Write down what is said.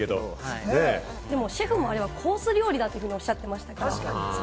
シェフもあれはコース料理だとおっしゃっていましたから。